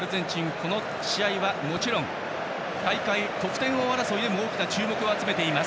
この試合はもちろん大会得点王争いでも大きな注目を集めています。